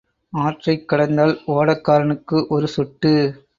ஆற்றைக் கடந்தால் ஓடக்காரனுக்கு ஒரு சொட்டு.